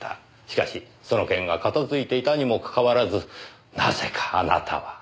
しかしその件は片付いていたにもかかわらずなぜかあなたは。